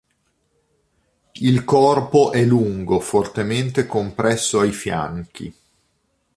Il corpo è lungo, fortemente compresso ai fianchi.